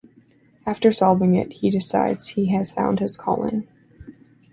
After solving it, he decides he has found his calling.